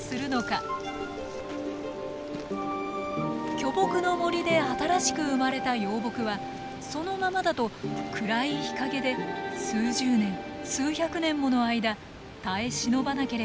巨木の森で新しく生まれた幼木はそのままだと暗い日陰で数十年数百年もの間耐え忍ばなければなりません。